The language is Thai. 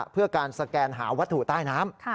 เพื่อการสแกนหาวัตถุใต้น้ำ